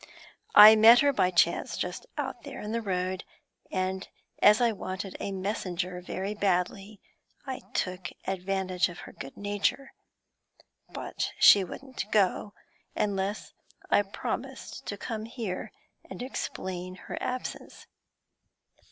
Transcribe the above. I met her by chance just out there in the road, and as I wanted a messenger very badly I took advantage of her good nature. But she wouldn't go unless I promised to come here and explain her absence.'